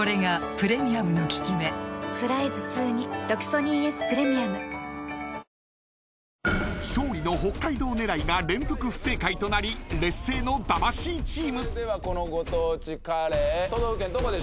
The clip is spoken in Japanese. サントリー［勝利の北海道狙いが連続不正解となり劣勢の魂チーム］